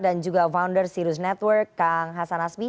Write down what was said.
dan juga founder sirius network kang hasan asmi